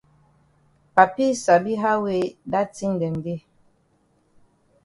Papi sabi how wey dat tin dem dey.